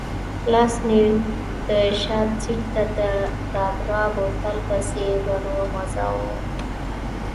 لاس مې د شا سېټ ته د باربرا بوتل پسې ورو غځاوه.